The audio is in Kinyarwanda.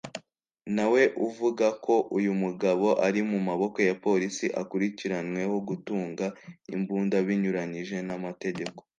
nawe uvuga ko uyu mugabo ari mu maboko ya polisi akurikiranweho gutunga imbunda binyuranyije n’amategeko